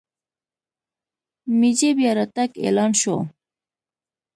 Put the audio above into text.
مېجي بیا راتګ اعلان شو.